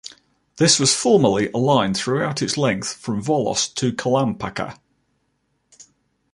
This was formerly a line throughout its length from Volos to Kalampaka.